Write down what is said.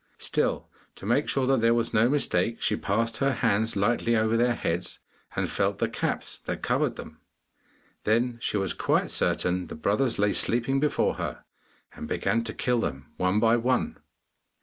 Still, to make sure that there was no mistake, she passed her hands lightly over their heads, and felt the caps that covered them. Then she was quite certain the brothers lay sleeping before her, and began to kill them one by one.